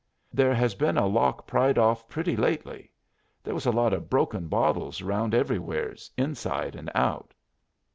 "There has been a lock pried off pretty lately. There was a lot of broken bottles around everywheres, inside and out."